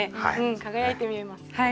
輝いて見えます。